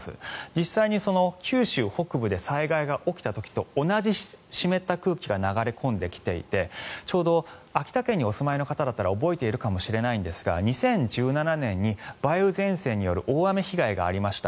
実際に、九州北部で災害が起きた時と同じ湿った空気が流れ込んできていてちょうど秋田県にお住まいの方だったら覚えているかもしれないんですが２０１７年に梅雨前線による大雨被害がありました。